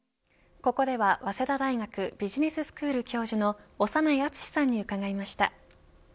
ここでは早稲田大学ビジネススクール教授の長内厚さんに伺いました。